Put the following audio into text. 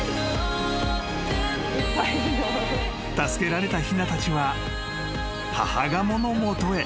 ［助けられたひなたちは母ガモの元へ］